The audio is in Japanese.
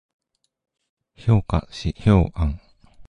評価指標案